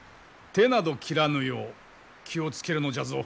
手など切らぬよう気を付けるのじゃぞ。